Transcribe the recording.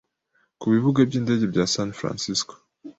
ku bibuga by'indege bya San Francisco,